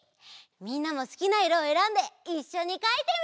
みんなもすきないろをえらんでいっしょにかいてみよう！